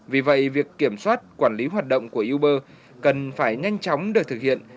vì vậy việc kiểm soát quản lý hoạt động của uber cần phải nhanh chóng được thực hiện